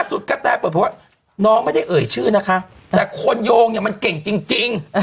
กระแตเปิดเพราะว่าน้องไม่ได้เอ่ยชื่อนะคะแต่คนโยงเนี่ยมันเก่งจริง